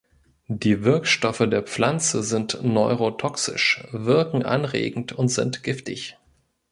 Die Wirkstoffe der Pflanze sind neurotoxisch, wirken anregend und sind giftig.